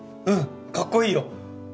うんかっこいいよ！